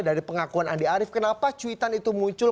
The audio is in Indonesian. dari pengakuan andi arief kenapa cuitan itu muncul